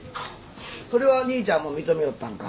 それは兄ちゃんも認めおったんか？